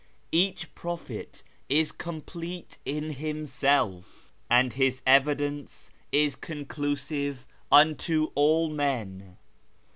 Each prophet is complete in himself, and his evidence is conclusive unto all men.